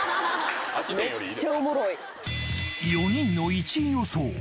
［４人の１位予想］